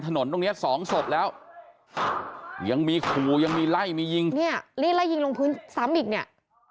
ตรงเนี้ยสองศพแล้วยังมีขู่ยังมีไล่มียิงเนี่ยรีดไล่ยิงลงพื้นซ้ำอีกเนี่ย